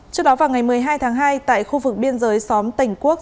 trước đó vào ngày một mươi hai tháng hai tại khu vực biên giới xóm tỉnh quốc